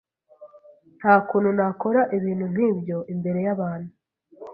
Nta kuntu nakora ibintu nkibyo imbere yabantu.